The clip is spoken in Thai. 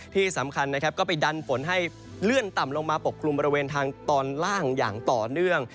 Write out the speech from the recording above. ที่สำคัญนะครับก็ไปดันฝนให้เลื่อนต่ำลงมาปกกลุ่มบริเวณทางตอนล่างอย่างต่อเนื่อง